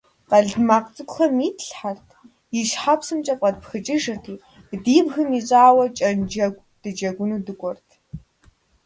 Къэлтмакъ цӀыкӀухэм итлъхьэрт, и щхьэпсымкӀэ фӀэтпхыкӀыжырти, ди бгым ищӏауэ кӀэнджэгу дыджэгуну дыкӀуэрт.